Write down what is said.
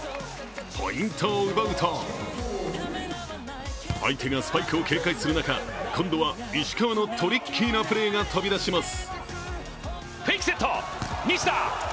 ポイントを奪うと相手がスパイクを警戒する中、今度は石川のトリッキーなプレーが飛び出します。